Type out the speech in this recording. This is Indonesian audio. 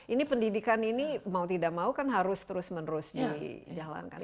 ini pendidikan ini mau tidak mau kan harus terus menerus dijalankan